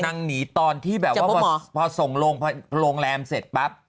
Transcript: หนีตอนที่แบบว่าพอส่งโรงแรมเสร็จปั๊บ